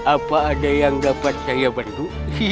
apa ada yang dapat saya bentuk